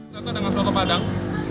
tentu dengan soto padang